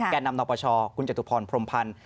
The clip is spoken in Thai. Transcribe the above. แก่นำนปชคุณจตุพรพรมพันธ์